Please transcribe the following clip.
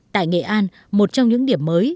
tại nghệ an một trong những điểm mới